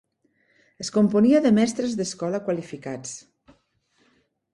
Es componia de mestres d'escola qualificats.